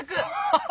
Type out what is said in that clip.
ハハハ！